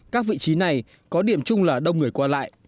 các vị trí này có điểm chung là đông người qua lại